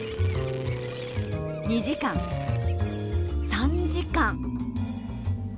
２時間３時間。